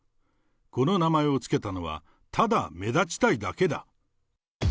この名前を付けたのは、ただ、目立ちたいだけだ。